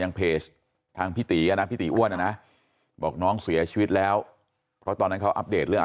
ทางเพจทางพี่ตีอ้วนนะบอกน้องเสียชีวิตแล้วเพราะตอนนั้นเขาอัปเดตเรื่อง